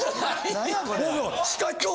何やこれ？